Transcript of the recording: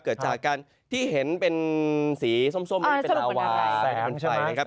เกิดจากการที่เห็นเป็นสีส้มเป็นลาวาลแสนคนใสน่ะครับ